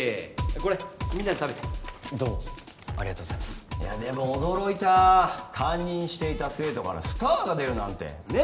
これみんなで食べてどうもありがとうございますいやでも驚いた担任していた生徒からスターが出るなんてね